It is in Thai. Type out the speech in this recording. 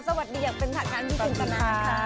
อ๋อสวัสดีครับเป็นท่าการพี่จินตะนั้นค่ะ